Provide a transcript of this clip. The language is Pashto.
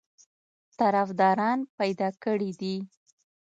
طرفداران پیدا کړي دي.